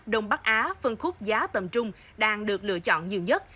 đông bắc á phân khúc giá tầm trung đang được lựa chọn nhiều nhất